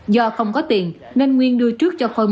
do không có tiền nên nguyên đưa trước cho khôi